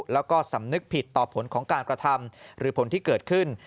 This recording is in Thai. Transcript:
แล้วก็สำนึกผิดต่อผลของการกระทำหรือผลที่เกิดขึ้น